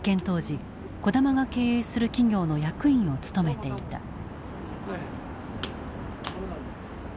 当時児玉が経営する企業の役員を務めていた。